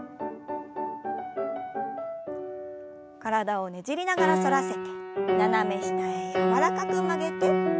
体をねじりながら反らせて斜め下へ柔らかく曲げて。